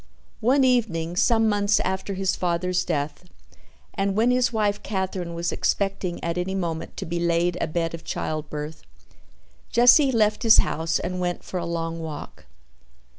One evening, some months after his father's death, and when his wife Katherine was expecting at any moment to be laid abed of childbirth, Jesse left his house and went for a long walk.